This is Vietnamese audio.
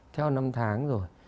theo năm tháng rồi